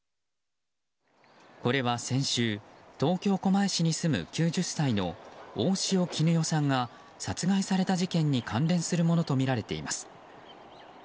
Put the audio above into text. これは先週、東京・狛江市に住む９０歳の大塩衣与さんが殺害された事件に関連するものとみられています。